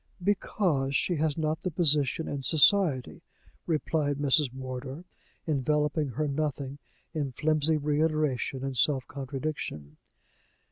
"Because she has not the position in society," replied Mrs. Wardour, enveloping her nothing in flimsy reiteration and self contradiction.